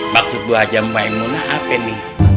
maksud bu wajah maimunah apa nih